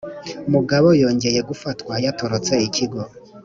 mugabo yongeye gufatwa yatorotse ikigo